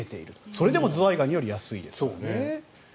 それでもズワイガニより安いですからね。